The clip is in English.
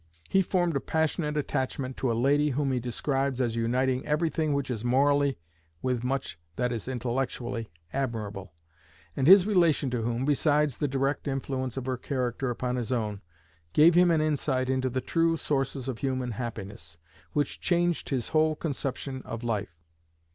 He formed a passionate attachment to a lady whom he describes as uniting everything which is morally with much that is intellectually admirable, and his relation to whom, besides the direct influence of her character upon his own, gave him an insight into the true sources of human happiness, which changed his whole conception of life.